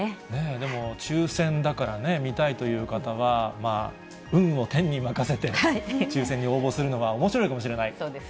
でも、抽せんだからね、見たいという方は、運を天に任せて抽せんに応募するのはおもしろいかもしれないです